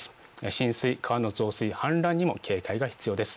浸水、川の増水、氾濫にも警戒が必要です。